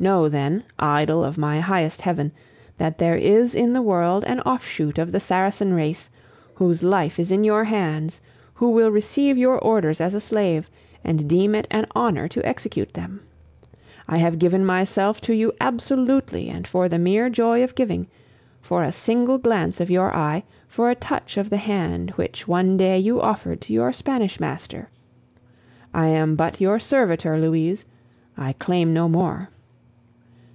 "Know, then, idol of my highest heaven, that there is in the world an offshoot of the Saracen race, whose life is in your hands, who will receive your orders as a slave, and deem it an honor to execute them. I have given myself to you absolutely and for the mere joy of giving, for a single glance of your eye, for a touch of the hand which one day you offered to your Spanish master. I am but your servitor, Louise; I claim no more.